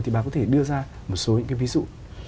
thì bà có thể đưa ra một số ví dụ